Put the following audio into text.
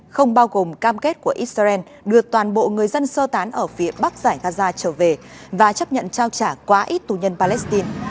không bao gồm cam kết của israel đưa toàn bộ người dân sơ tán ở phía bắc giải gaza trở về và chấp nhận trao trả quá ít tù nhân palestine